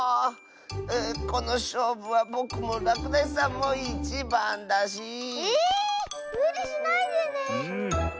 このしょうぶはぼくもらくだしさんもいちばんだし。えむりしないでね。